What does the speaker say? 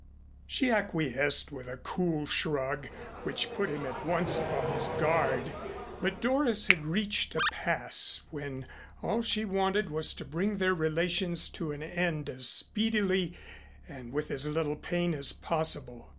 She acquiesced with a cool shrug which put him at once upon his guard, but Doris had reached a pass when all she wanted was to bring their relations to an end as speedily and with as little pain as possible.